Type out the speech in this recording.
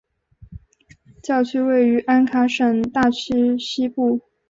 教区位于安卡什大区西部。